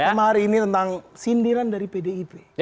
tema hari ini tentang sindiran dari pdip